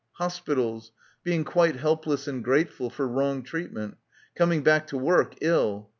Hospitals; being quite helpless and grateful for wrong treatment; coming back to work, ill.